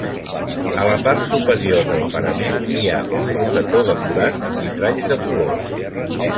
A la part superior del parament hi ha un rosetó decorat amb vitralls de colors.